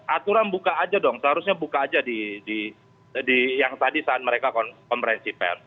aturan buka saja dong seharusnya buka saja di yang tadi saat mereka konferensi pem